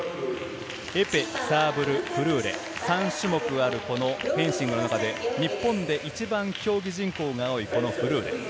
エペ、サーブル、フルーレ、３種目あるこのフェンシングの中で日本で一番、競技人口が多いこのフルーレ。